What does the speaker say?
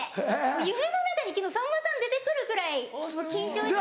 夢の中に昨日さんまさん出て来るぐらい緊張してて。